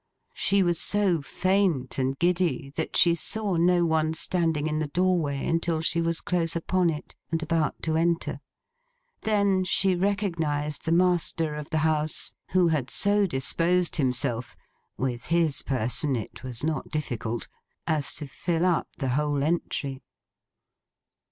She was so faint and giddy, that she saw no one standing in the doorway until she was close upon it, and about to enter. Then, she recognised the master of the house, who had so disposed himself—with his person it was not difficult—as to fill up the whole entry.